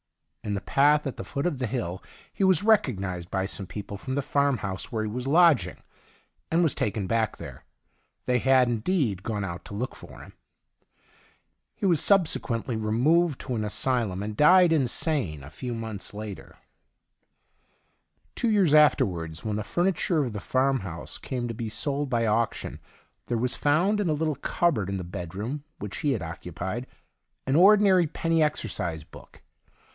In the path at the foot of the hill he was recognised by some people fi om the farmhouse where he w^as lodging, and was taken back there. They had, in deed, gone out to look for him. He was subsequently removed to 7 THE DIARY OF A GOD an asylum, and died insane a few months later. Two years afterwards, when the furniture of the farmhouse came to be sold by auction, there was found in a little cupboard in the bedroom which he had occupied an ordinary penny exercise book.